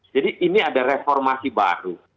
jadi ini ada reformasi baru